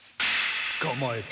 つかまえた。